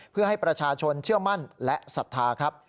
เพื่อให้ประชาชนเชื่อมั่นและศรัทธาครับ